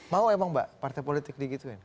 mau emang mbak partai politik digituin